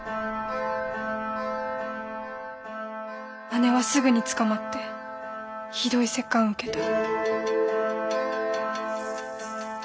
姉はすぐに捕まってひどい折檻を受けた。